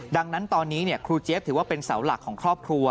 ดังนั้นตอนนี้ครูเจี๊ยบถือว่าเป็นเสาหลักของครอบครัว